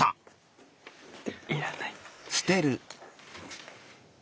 要らない。